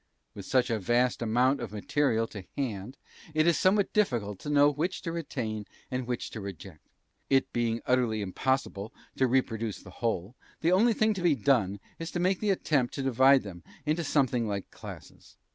With such a vast amount of "material" to hand, it is somewhat difficult to know which to retain and which to reject. It being utterly impossible to reproduce the whole, the only thing to be done is to make the attempt to divide them into something like classes.